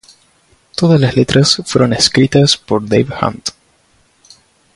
Todas las letras fueron escritas por Dave Hunt